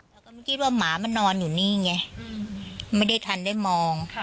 เราก็ไม่คิดว่าหมามันนอนอยู่นี่ไงไม่ได้ทันได้มอง